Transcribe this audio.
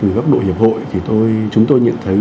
ở góc độ hiệp hội thì chúng tôi nhận thấy